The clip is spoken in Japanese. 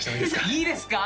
いいですか？